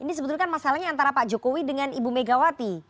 ini sebetulnya masalahnya antara pak jokowi dengan ibu megawati